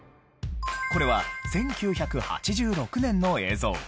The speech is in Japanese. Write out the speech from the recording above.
これは１９８６年の映像。